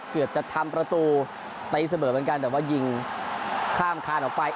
เกือบจะทำประตูตีเสมอเหมือนกันแต่ว่ายิงข้ามคานออกไป